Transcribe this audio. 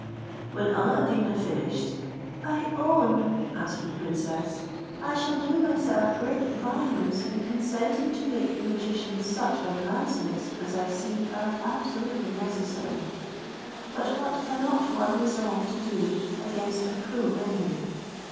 When Alla ad Deen had finished, "I own," answered the princess, "I shall do myself great violence in consenting to make the magician such advances as I see are absolutely necessary; but what cannot one resolve to do against a cruel enemy?